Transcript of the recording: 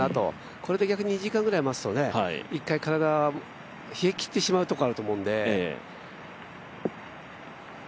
これで逆に１時間くらい待つと一回体が冷えきってしまうところがあると思うんで。